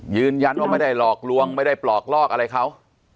ยืนยันว่าไม่ได้หลอกลวงไม่ได้ปลอกลอกอะไรเขา